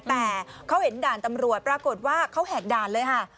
แต่เขาเห็นด่านตำรวจปรากฏว่าเขาแหกด่านเลยค่ะ